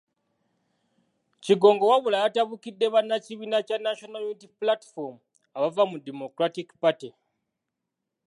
Kigongo wabula yatabukidde bannakibiina kya National Unity Platform abaava mu Democratic Party.